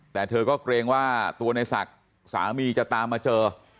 แต่เธอก็เกรงว่าตัวในศักดิ์สามีจะตามมาเจอ